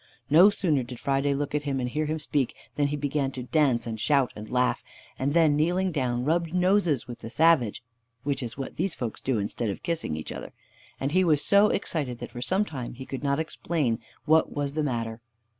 No sooner did Friday look at him and hear him speak, than he began to dance and shout and laugh, and then kneeling down, rubbed noses with the savage (which is what these folks do instead of kissing each other), and he was so excited that for some time he could not explain what was the matter.